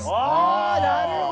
あなるほど。